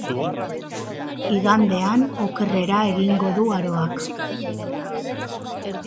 Igandean, okerrera egingo du aroak.